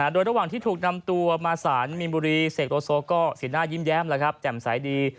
โดยระหว่างที่ถูกนำตัวมาสารมีนบุรีเสกโลโซก็สีหน้ายิ้มแย้มแล้วครับแจ่มใสดี